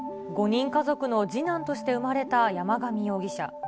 ５人家族の次男として産まれた山上容疑者。